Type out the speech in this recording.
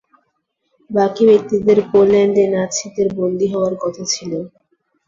বাকি ব্যক্তিদের পোল্যান্ডে নাৎসিদের বন্দি হওয়ার কথা ছিল।